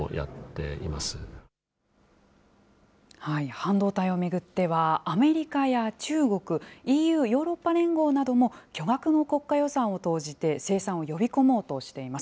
半導体を巡っては、アメリカや中国、ＥＵ・ヨーロッパ連合なども巨額の国家予算を投じて、生産を呼び込もうとしています。